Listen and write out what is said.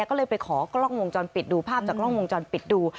ก็เลยไปขอกล้องวงจรปิดดูภาพจากกล้องวงจรปิดดู